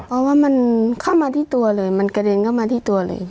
เพราะว่ามันเข้ามาที่ตัวเลยมันกระเด็นเข้ามาที่ตัวเลย